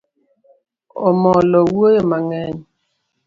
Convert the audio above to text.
Omolo wuoyo mang'eny.